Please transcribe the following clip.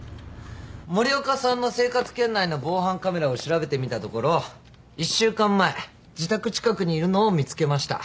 森岡さんの生活圏内の防犯カメラを調べてみたところ１週間前自宅近くにいるのを見つけました。